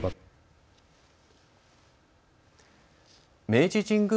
明治神宮